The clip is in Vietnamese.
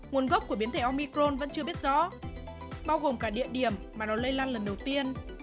nguồn gốc của biến thể omicron vẫn chưa biết rõ bao gồm cả địa điểm mà nó lây lan lần đầu tiên